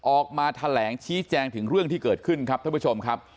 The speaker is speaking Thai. ออกมาแถลงชี้แจงถึงเรื่องที่เกิดขึ้นครับท่านผู้ชมครับ